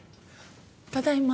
ただいま。